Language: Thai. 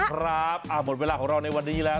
ครับหมดเวลาของเราในวันนี้แล้ว